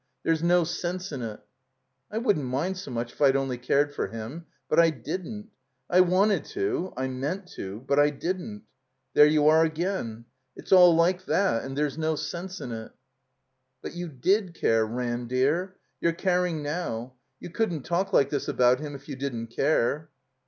There's no sense in it. I wouldn't mind so much if I'd only cared for him. But I didn't. I wanted to — ^I meant to — ^but I didn't. There you are again. It's all like that and there's no sense in it." But you did care, Ran, dear. You're caring now. You couldn't talk like this about him if you didn't care."